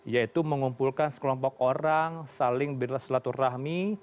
yaitu mengumpulkan sekelompok orang saling bersilaturahmi